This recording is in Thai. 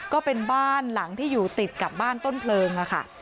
ก็เป็นบ้านหลังที่อยู่ติดกับบ้านต้นเพลิงค่ะ